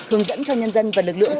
hướng dẫn cho nhân dân và lực lượng